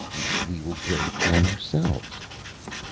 "We will grow the corn ourselves."